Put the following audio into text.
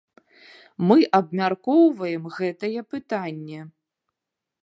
Мы абмяркоўваем гэтае пытанне.